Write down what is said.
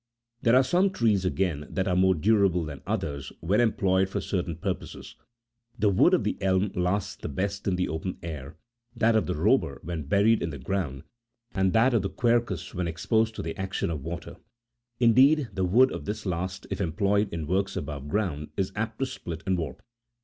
There are some trees, again, that are more durable than others, when employed for certain purposes. The wood of the elm lasts the best in the open air, that of the robur when buried in the ground, and that of the quercus when exposed to the action of water : indeed, the wood of this last, if employed in works above ground, is apt to split and warp.